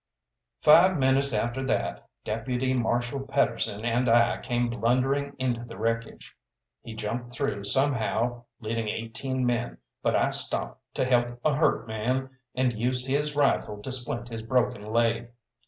Five minutes after that, Deputy Marshal Pedersen and I came blundering into the wreckage. He jumped through somehow, leading eighteen men, but I stopped to help a hurt man, and used his rifle to splint his broken leg.